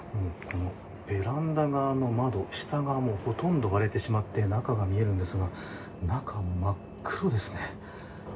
ベランダ側の窓下がもうほとんど割れてしまって中が見えるんですが中も真っ黒ですね。